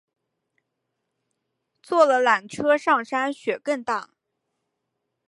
坐了缆车山上雪更大